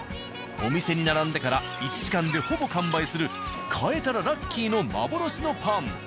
お店に並んでから１時間でほぼ完売する買えたらラッキーの幻のパン。